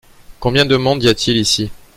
Combien de monde y a-t-il ici ?